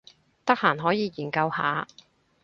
得閒可以研究下